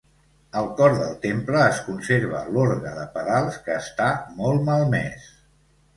Al cor del temple es conserva l'orgue de pedals que està molt malmès.